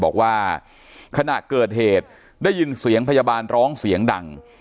บอกว่าขณะเกิดเหตุได้ยินเสียงพยาบาลร้องเสียงดัง